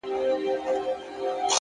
وخت د هر چا ریښتینی ازموینوونکی دی،